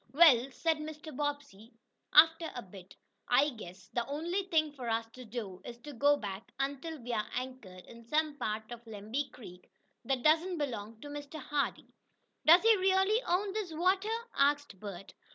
"Well," said Mr. Bobbsey, after a bit, "I guess the only thing for us to do is to go back, until we are anchored in some part of Lemby Creek that doesn't belong to Mr. Hardee." "Does he really own this water?" asked Bert.